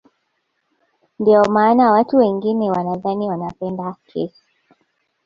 Ndio maana watu wengine wanadhani wanapenda kesi